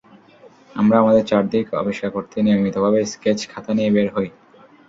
আমরা আমাদের চারদিক আবিষ্কার করতে নিয়মিতভাবে স্কেচ খাতা নিয়ে বের হই।